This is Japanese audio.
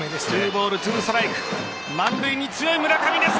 ２ボール２ストライク満塁に強い村上です。